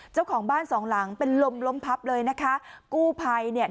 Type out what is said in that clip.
เจ้าของบ้านสองหลังเป็นลมล้มพับเลยนะคะกู้ภัยเนี่ย